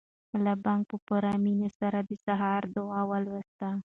ملا بانګ په پوره مینه سره د سهار دعا ولوسته.